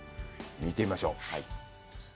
見てみましょう。